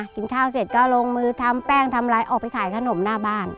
กินข้าวเสร็จก็ลงมือทำแป้งทำอะไรออกไปขายขนมหน้าบ้าน